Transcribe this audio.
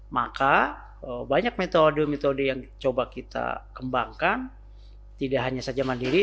maka banyak metode metode yang coba kita kembangkan tidak hanya saja mandiri